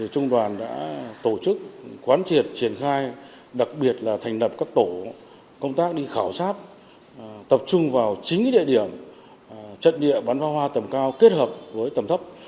trung đoàn đã tổ chức quán triệt triển khai đặc biệt là thành lập các tổ công tác đi khảo sát tập trung vào chính địa điểm trận địa bắn phá hoa tầm cao kết hợp với tầm thấp